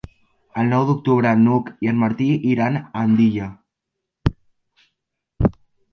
El nou d'octubre n'Hug i en Martí iran a Andilla.